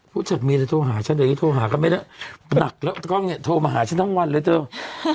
ผู้จัดเมียจะโทรหาฉันเดี๋ยวนี้โทรหาก็ไม่ได้หนักแล้วกล้องเนี่ยโทรมาหาฉันทั้งวันเลยเถอะ